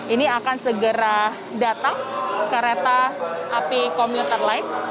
ini akan segera datang kereta api komuter life